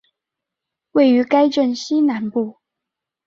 位于该镇西南部。